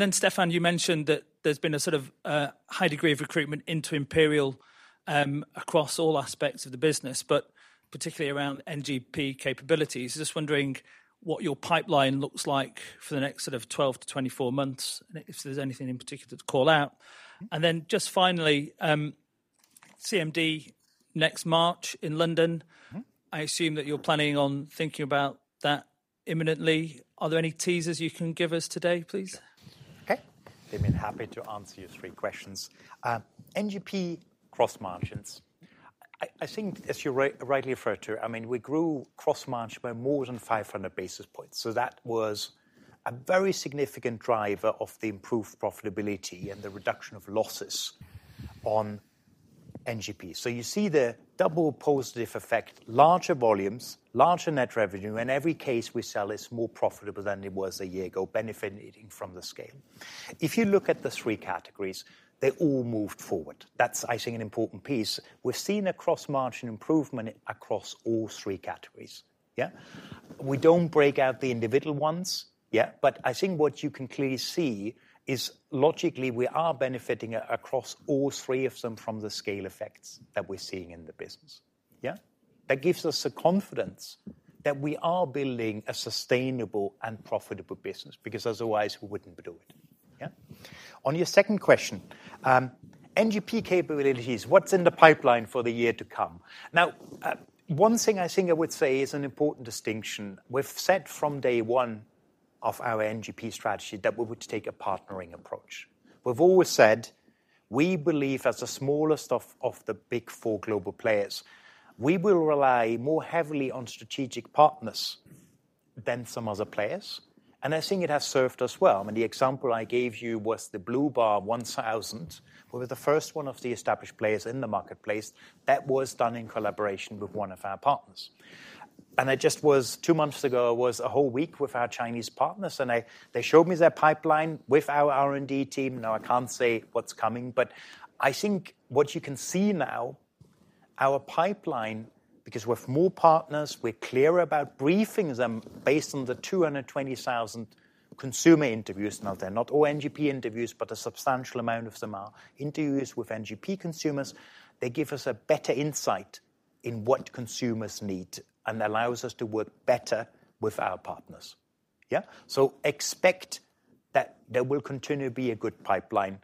then, Stefan, you mentioned that there's been a sort of high degree of recruitment into Imperial across all aspects of the business, but particularly around NGP capabilities. Just wondering what your pipeline looks like for the next sort of 12-24 months, and if there's anything in particular to call out. And then just finally, CMD next March in London. I assume that you're planning on thinking about that imminently. Are there any teasers you can give us today, please? Okay. I've been happy to answer your three questions. NGP gross margins. I think, as you rightly referred to, I mean, we grew gross margin by more than 500 basis points. So that was a very significant driver of the improved profitability and the reduction of losses on NGP. So you see the double positive effect, larger volumes, larger net revenue, and every case we sell is more profitable than it was a year ago, benefiting from the scale. If you look at the three categories, they all moved forward. That's, I think, an important piece. We've seen a gross margin improvement across all three categories. Yeah? We don't break out the individual ones. Yeah? But I think what you can clearly see is logically, we are benefiting across all three of them from the scale effects that we're seeing in the business. Yeah? That gives us the confidence that we are building a sustainable and profitable business because otherwise, we wouldn't be doing it. Yeah? On your second question, NGP capabilities, what's in the pipeline for the year to come? Now, one thing I think I would say is an important distinction. We've said from day one of our NGP strategy that we would take a partnering approach. We've always said we believe as the smallest of the Big Four global players, we will rely more heavily on strategic partners than some other players. And I think it has served us well. I mean, the example I gave you was the blu Bar 1000. We were the first one of the established players in the marketplace. That was done in collaboration with one of our partners. And just two months ago, I was a whole week with our Chinese partners, and they showed me their pipeline with our R&D team. Now, I can't say what's coming, but I think what you can see now, our pipeline, because we have more partners, we're clearer about briefing them based on the 220,000 consumer interviews. Now, they're not all NGP interviews, but a substantial amount of them are interviews with NGP consumers. They give us a better insight in what consumers need and allows us to work better with our partners. Yeah? So expect that there will continue to be a good pipeline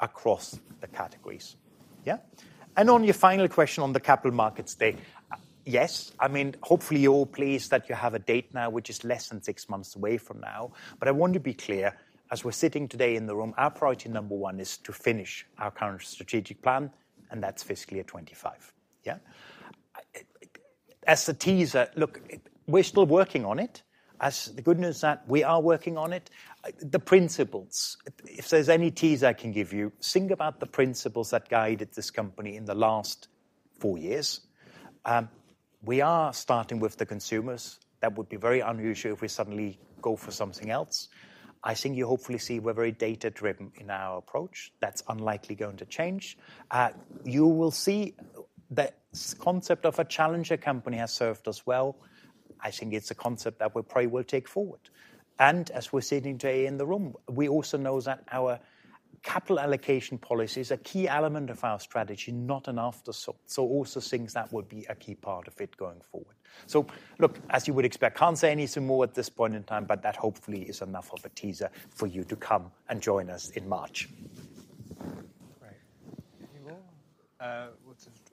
across the categories. Yeah? And on your final question on the Capital Markets Day, yes. I mean, hopefully, you're all pleased that you have a date now, which is less than six months away from now. But I want to be clear, as we're sitting today in the room, our priority number one is to finish our current strategic plan, and that's fiscal year 2025. Yeah? As a teaser, look, we're still working on it. The good news is that we are working on it. The principles, if there's any teaser I can give you, think about the principles that guided this company in the last four years. We are starting with the consumers. That would be very unusual if we suddenly go for something else. I think you hopefully see we're very data-driven in our approach. That's unlikely going to change. You will see that concept of a challenger company has served us well. I think it's a concept that we probably will take forward, and as we're sitting today in the room, we also know that our capital allocation policy is a key element of our strategy, not an afterthought. So, I also think that would be a key part of it going forward. Look, as you would expect, I can't say anything more at this point in time, but that hopefully is enough of a teaser for you to come and join us in March. Right. Anyone?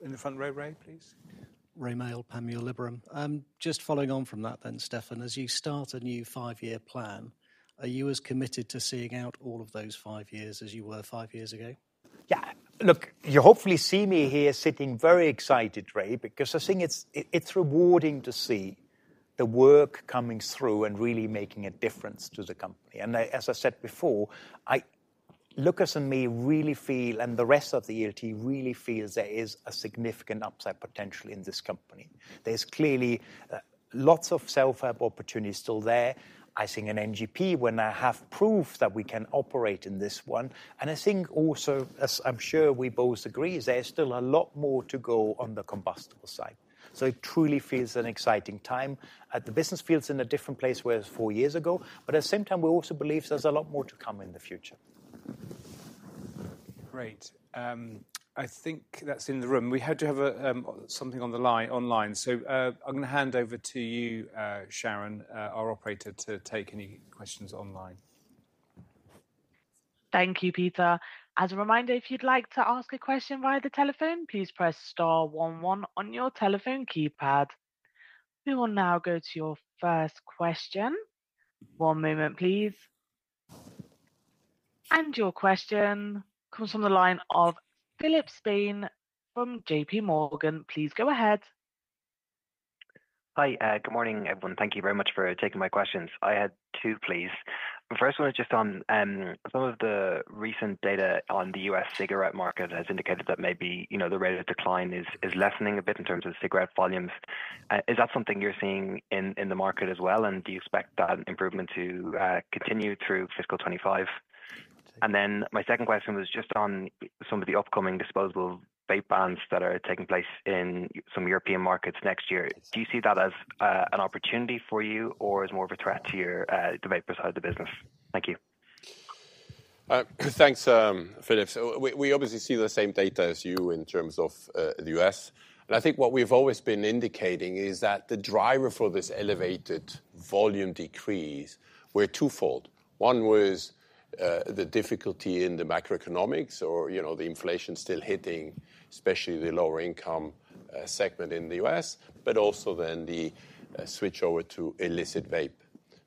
In the front row, Rae please. Rae Maile, Panmure Liberum. Just following on from that then, Stefan, as you start a new five-year plan, are you as committed to seeing out all of those five years as you were five years ago? Yeah. Look, you hopefully see me here sitting very excited, Rae, because I think it's rewarding to see the work coming through and really making a difference to the company. And as I said before, Lukas and me really feel, and the rest of the ELT really feels there is a significant upside potential in this company. There's clearly lots of self-help opportunities still there. I think in NGP, when I have proof that we can operate in this one. And I think also, as I'm sure we both agree, there's still a lot more to go on the combustible side. So it truly feels an exciting time. The business feels in a different place where it was four years ago, but at the same time, we also believe there's a lot more to come in the future. Great. I think that's in the room. We had to have something on the line. So I'm going to hand over to you, Sharon, our operator, to take any questions online. Thank you, Peter. As a reminder, if you'd like to ask a question via the telephone, please press star one one on your telephone keypad. We will now go to your first question. One moment, please. And your question comes from the line of Philip Spain from JPMorgan. Please go ahead. Hi. Good morning, everyone. Thank you very much for taking my questions. I had two, please. The first one is just on some of the recent data on the U.S. cigarette market has indicated that maybe the rate of decline is lessening a bit in terms of cigarette volumes. Is that something you're seeing in the market as well, and do you expect that improvement to continue through fiscal 2025? And then my second question was just on some of the upcoming disposable vape bans that are taking place in some European markets next year. Do you see that as an opportunity for you, or is it more of a threat to your vape side of the business? Thank you. Thanks, Philip. We obviously see the same data as you in terms of the U.S. And I think what we've always been indicating is that the driver for this elevated volume decrease was twofold. One was the difficulty in the macroeconomics or the inflation still hitting, especially the lower-income segment in the U.S., but also then the switch over to illicit vape.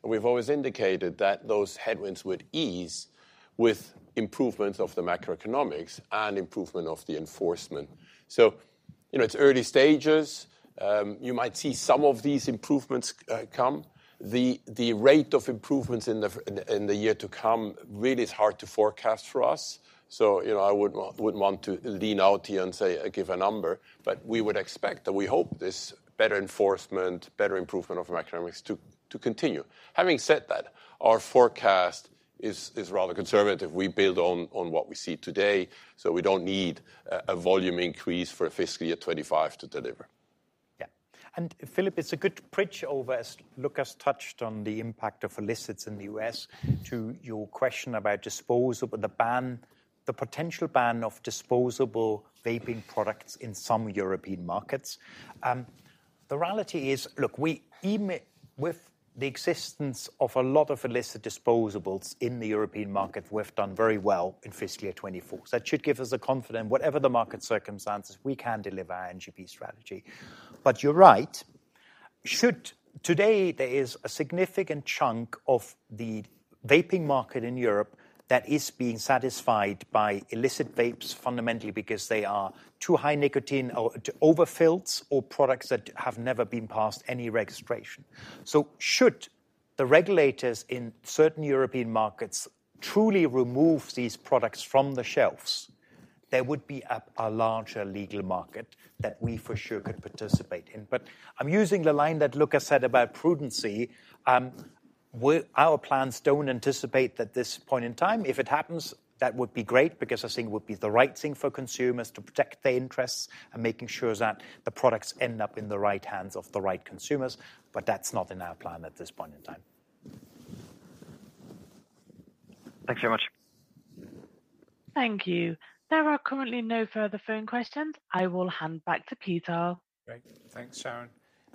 And we've always indicated that those headwinds would ease with improvements of the macroeconomics and improvement of the enforcement. So it's early stages. You might see some of these improvements come. The rate of improvements in the year to come really is hard to forecast for us. So I wouldn't want to lean out here and say give a number, but we would expect that we hope this better enforcement, better improvement of macroeconomics to continue. Having said that, our forecast is rather conservative. We build on what we see today, so we don't need a volume increase for fiscal year 2025 to deliver. Yeah. And Philip, it's a good bridge over, as Lukas touched on, the impact of illicits in the U.S. to your question about disposable, the potential ban of disposable vaping products in some European markets. The reality is, look, with the existence of a lot of illicit disposables in the European market, we've done very well in fiscal year 2024. So that should give us a confidence, whatever the market circumstances, we can deliver our NGP strategy. But you're right. Today, there is a significant chunk of the vaping market in Europe that is being satisfied by illicit vapes, fundamentally, because they are too high nicotine or overfills or products that have never been passed any registration. So should the regulators in certain European markets truly remove these products from the shelves, there would be a larger legal market that we for sure could participate in. But I'm using the line that Lukas said about prudence. Our plans don't anticipate that this point in time. If it happens, that would be great because I think it would be the right thing for consumers to protect their interests and making sure that the products end up in the right hands of the right consumers. But that's not in our plan at this point in time. Thanks very much. Thank you. There are currently no further phone questions. I will hand back to Peter. Great. Thanks, Sharon.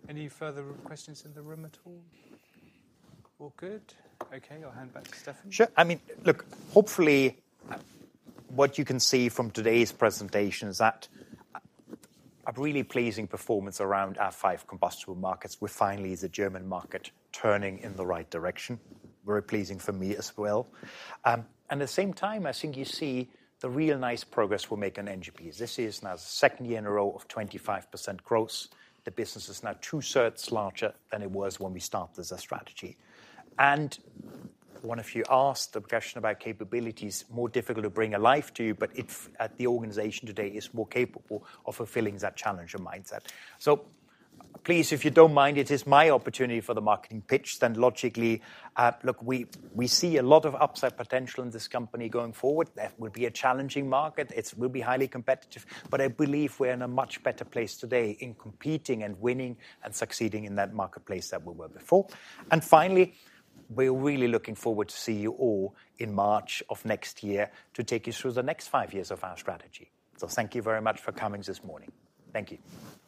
Any further questions in the room at all? All good? Okay. I'll hand back to Stefan. Sure. I mean, look, hopefully, what you can see from today's presentation is that a really pleasing performance around our five combustible markets. We're finally, as a German market, turning in the right direction. Very pleasing for me as well, and at the same time, I think you see the real nice progress we'll make on NGPs. This is now the second year in a row of 25% growth. The business is now 2/3 larger than it was when we started as a strategy, and one of you asked the question about capabilities, more difficult to bring to life, but the organization today is more capable of fulfilling that challenge and mindset, so please, if you don't mind, it is my opportunity for the marketing pitch, then logically, look, we see a lot of upside potential in this company going forward. That will be a challenging market. It will be highly competitive. But I believe we're in a much better place today in competing and winning and succeeding in that marketplace than we were before. And finally, we're really looking forward to see you all in March of next year to take you through the next five years of our strategy. So thank you very much for coming this morning. Thank you. Thank you.